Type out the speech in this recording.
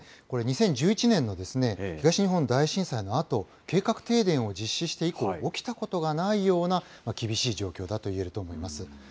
これ、２０１１年の東日本大震災のあと、計画停電を実施して以降、起きたことがないような厳しい状況だといえると思います。